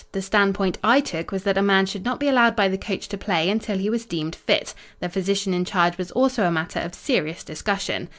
The standpoint I took was that a man should not be allowed by the coach to play until he was deemed fit. The physician in charge was also a matter of serious discussion.